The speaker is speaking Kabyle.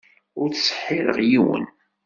Ur ttseḥḥireɣ yiwen.